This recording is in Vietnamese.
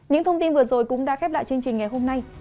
những thông tin vừa rồi cũng đã khép lại chương trình ngày hôm nay